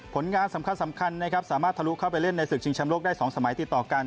ผลงานสำคัญนะครับสามารถทะลุเข้าไปเล่นในศึกชิงชำโลกได้๒สมัยติดต่อกัน